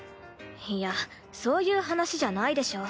いやそういう話じゃないでしょ。